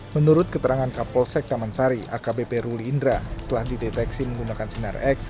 menurut keterangan kapolsek taman sari akbp ruli indra setelah dideteksi menggunakan sinar x